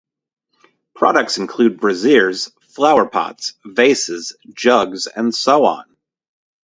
Products include braziers, flower pots, vases, jugs and so on.